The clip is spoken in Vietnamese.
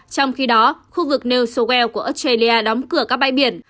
trong khi đó khu vực new south wales của australia đóng cửa các bay biển